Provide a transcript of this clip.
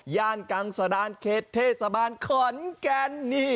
ย่านกังสดานเคทเทสบานขอนแกน